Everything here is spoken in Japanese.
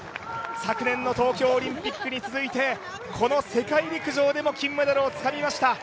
昨年の東京オリンピックに続いてこの世界陸上でも金メダルをつかみました。